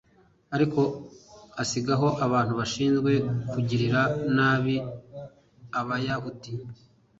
ariko asigaho abantu bashinzwe kugirira nabi abayahudi